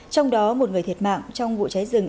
trong đó một người thiệt mạng trong vụ cháy rừng